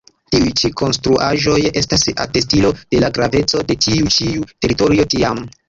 Tiuj ĉi konstruaĵoj estas atestilo de la graveco de tiu ĉiu teritorio tiam.